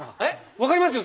分かりますよ。